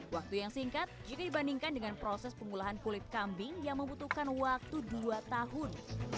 waktu yang singkat jika dibandingkan dengan proses pengolahan kulit kambing yang membutuhkan waktu dua tahun